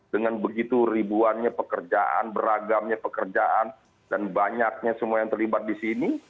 dengan begitu ribuannya pekerjaan beragamnya pekerjaan dan banyaknya semua yang terlibat di sini